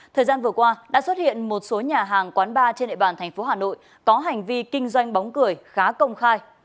thời gian vừa qua đã xuất hiện một số nhà hàng quán bar trên địa bàn tp hà nội có hành vi kinh doanh bóng cười khá công khai